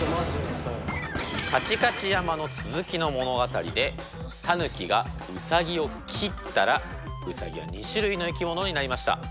「かちかち山」の続きの物語でタヌキがウサギを斬ったらウサギは２種類の生き物になりました。